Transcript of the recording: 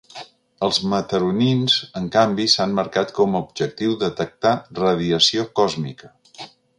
Els mataronins, en canvi, s’han marcat com a objectiu detectar radiació còsmica.